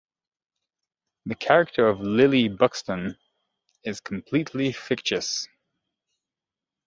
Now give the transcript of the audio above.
The character of Lily Buxton is completely fictitious.